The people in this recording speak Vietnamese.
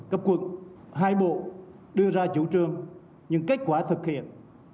các quận hai bộ đưa ra chủ trương nhưng kết quả thực hiện